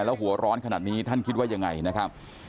แล้วหัวร้อนขนาดนี้ท่านคิดว่ายังไงนะครับ